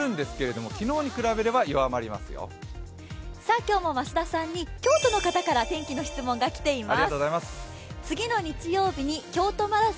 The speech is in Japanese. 今日も増田さんに京都の方から天気の質問が来ています。